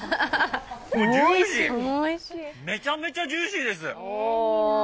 ジューシー、めちゃめちゃジューシーです。